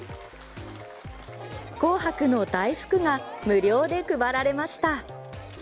紅白の大福が無料で配られました。